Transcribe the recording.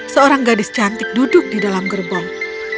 seorang gadis cantik duduk di dalam gerbong